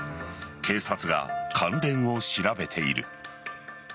警察が関連を調べている。